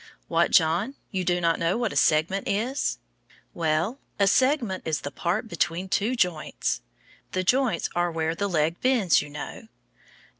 What, John? You do not know what a segment is? Well, a segment is the part between two joints. The joints are where the leg bends, you know.